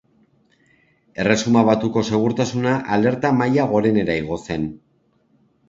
Erresuma Batuko segurtasuna, alerta maila gorenera igo zen.